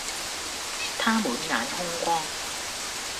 他滿眼兇光，